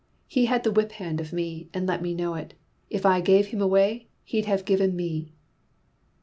He had the whip hand of me, and let me know it; if I gave him away, he'd have given me!"